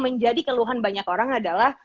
menjadi keluhan banyak orang adalah